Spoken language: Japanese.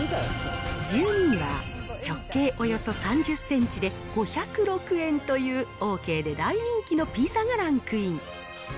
１２位は、直径およそ３０センチで５０６円という、オーケーで大人気のピザがランクイン。